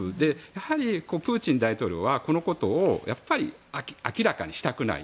やはりプーチン大統領はこのことをやっぱり明らかにしたくない。